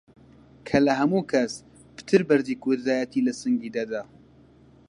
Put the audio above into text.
کە لە هەموو کەس پتر بەردی کوردایەتی لە سینگی دەدا!